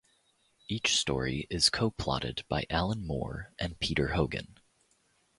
Each story is co-plotted by Alan Moore and Peter Hogan.